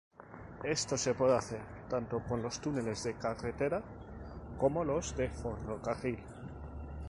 Esto se puede hacer tanto con los túneles de carretera como los de ferrocarril.